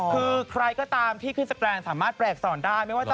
คือใครก็ตามที่ขึ้นสแตนสามารถแปลกสอนได้